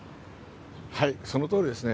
そのとおりですね。